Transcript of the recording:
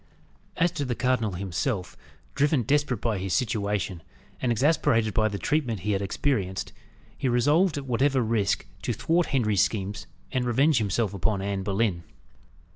As to the cardinal himself, driven desperate by his situation, and exasperated by the treatment he had experienced, he resolved, at whatever risk, to thwart Henry's schemes, and revenge himself upon Anne Boleyn.